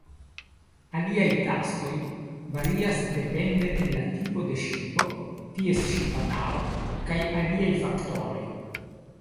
Aliaj taskoj varias depende el la tipo de ŝipo, ties ŝipanaro, kaj aliaj faktoroj.